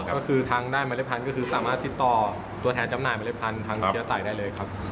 ก็คือทางด้านเมล็ดพันธุ์คือสามารถติดต่อตัวแทนจำหน่าเมล็ดพันธุ์ทางเชื้อไต่ได้เลยครับ